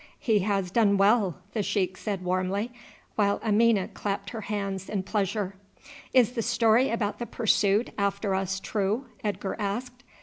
"He has done well," the sheik said warmly, while Amina clapped her hands in pleasure. "Is the story about the pursuit after us true?" Edgar asked.